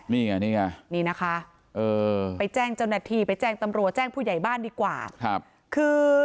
นี่ไงนี่ไงนี่นะคะไปแจ้งเจ้าหน้าที่ไปแจ้งตำรวจแจ้งผู้ใหญ่บ้านดีกว่าครับคือ